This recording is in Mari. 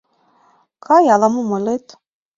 — Кай, ала-мом ойлет?